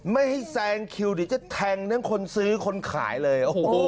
ไม่ให้แซงคิวเดี๋ยวจะแทงทั้งคนซื้อคนขายเลย